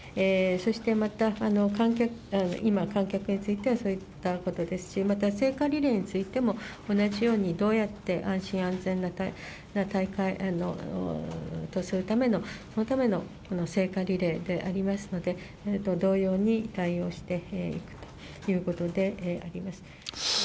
そしてまた、今、観客についてはそういったことですし、また聖火リレーについても、同じようにどうやって安心安全な大会とするための、そのための聖火リレーでありますので、同様に対応していくということであります。